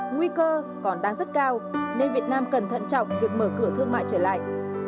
nguy cơ còn đang rất cao nên việt nam cần thận trọng việc mở cửa thương mại trở lại